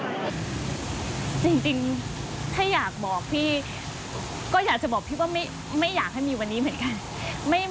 จริงถ้าอยากบอกพี่ก็อยากจะบอกพี่ว่าไม่อยากให้มีวันนี้เหมือนกัน